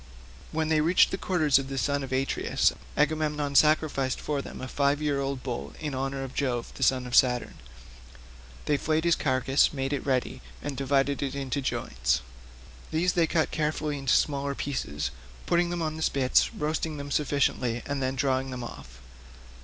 When they reached the quarters of the son of Atreus, Agamemnon sacrificed for them a five year old bull in honour of Jove the son of Saturn. They flayed the carcass, made it ready, and divided it into joints; these they cut carefully up into smaller pieces, putting them on the spits, roasting them sufficiently, and then drawing them off.